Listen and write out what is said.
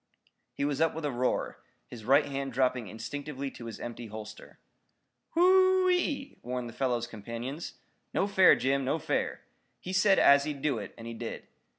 He was up with a roar, his right hand dropping instinctively to his empty holster. "Wh o o o e!" warned the fellow's companions. "No fair, Jim. No fair. He said as he'd do it, and he did.